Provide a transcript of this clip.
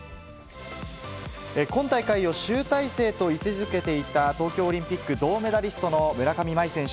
今大会を集大成と位置づけていた東京オリンピック銅メダリストの村上茉愛選手。